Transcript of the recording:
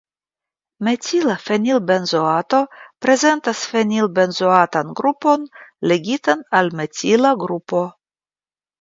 Metila fenilbenzoato prezentas fenilbenzoatan grupon ligitan al metila grupo.